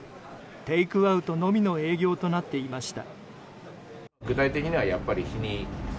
テイクアウトのみの営業となっていました。